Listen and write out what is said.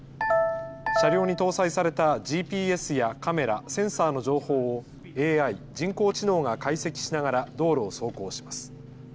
車両に搭載されたＧＰＳやカメラ、センサーの情報をＡＩ・人工知能が解析しながら道路を走行します。